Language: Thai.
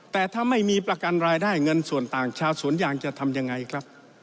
แต่ถ้าไม่มีประกันรายได้เงินส่วนต่างชาวสวนยางจะทำยังไงครับ